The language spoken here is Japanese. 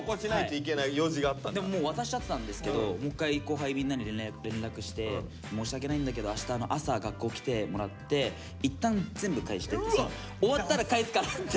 でももう渡しちゃってたんですけどもう一回後輩みんなに連絡して申し訳ないんだけどあしたの朝学校来てもらって終わったら返すからって。